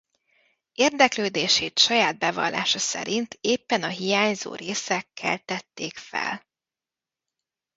Érdeklődését saját bevallása szerint éppen a hiányzó részek keltették fel.